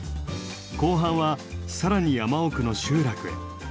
後半は更に山奥の集落へ。